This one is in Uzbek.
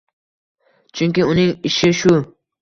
Chunki uning ishi shu